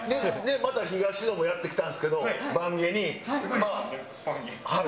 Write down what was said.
また東野もやって来たんですけど、坂下に。